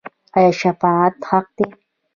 آیا شفاعت حق دی؟